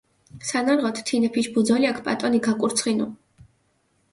სანარღოთ, თინეფიშ ბუძოლიაქ პატონი გაკურცხინუ.